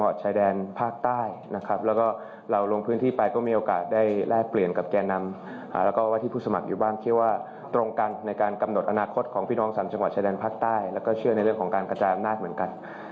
ว่าแต่เธอได้พูดหรือเปล่าแต่ว่ารายละเอียดที่ได้พูดคุยกันผมก็อ่าปรกสร้อยกับทางสื่อมวลชนว่าได้คุยอะไรกันบ้างค่ะ